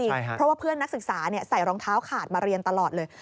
เพราะว่าเพื่อนนักศึกษาใส่รองเท้าขาดมาเรียนตลอดเลย